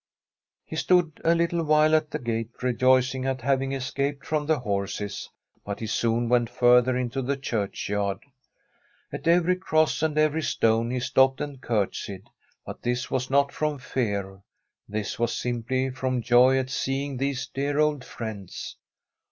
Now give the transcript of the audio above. He stood a little while at the gate, rejoicing at having escaped from the horses, but he soon went further into the churchyard. At every cross and every stone he stopped and curtsied, but this was not from fear: this was simply from joy at seeing these dear old friends.